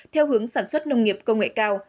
theo hướng sản xuất nông nghiệp công nghệ cao